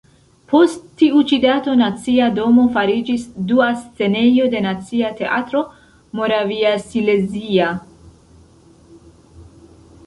Post tiu ĉi dato Nacia domo fariĝis dua scenejo de Nacia teatro moraviasilezia.